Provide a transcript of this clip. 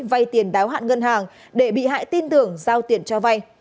vay tiền đáo hạn ngân hàng để bị hại tin tưởng giao tiền cho vay